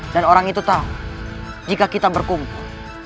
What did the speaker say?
dan orang itu tau jika kita berkumpul